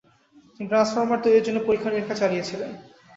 তিনি ট্রান্সফর্মার তৈরির জন্য পরীক্ষা-নিরীক্ষা চালিয়েছিলেন।